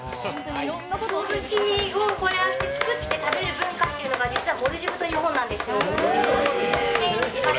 かつお節をこうやって作って食べる文化っていうのが、実はモルディブと日本なんですよ。